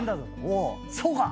そうか！